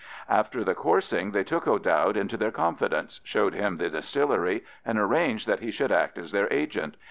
After the coursing they took O'Dowd into their confidence, showed him the distillery and arranged that he should act as their agent.